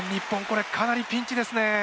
これかなりピンチですねえ。